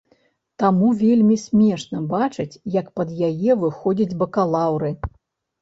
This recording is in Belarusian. Таму вельмі смешна бачыць, як пад яе выходзяць бакалаўры.